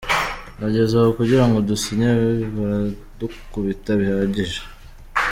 Bageze aho kugirango dusinye baradukubita bihagije.